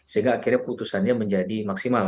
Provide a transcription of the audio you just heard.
sehingga akhirnya putusannya menjadi maksimal